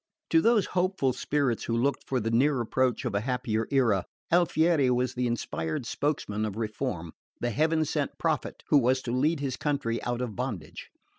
To those hopeful spirits who looked for the near approach of a happier era, Alfieri was the inspired spokesman of reform, the heaven sent prophet who was to lead his country out of bondage.